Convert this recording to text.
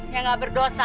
yang gak berdosa